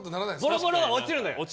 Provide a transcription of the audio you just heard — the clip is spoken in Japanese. ボロボロは落ちるのよ。